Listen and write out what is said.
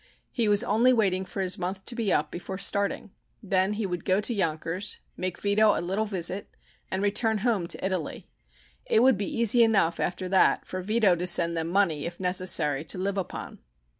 He was only waiting for his month to be up before starting. Then he would go to Yonkers, make Vito a little visit, and return home to Italy. It would be easy enough, after that, for Vito would send them money, if necessary, to live upon.